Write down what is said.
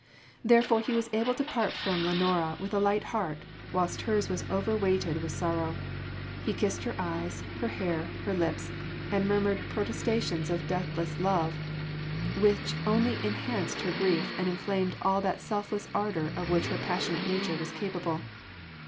Therefore he was able to part from Lenora with a light heart, whilst hers was overweighted with sorrow. He kissed her eyes, her hair, her lips, and murmured protestations of deathless love which only enhanced her grief and enflamed all that selfless ardour of which her passionate nature was capable.